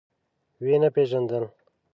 ويې نه پيژاندل.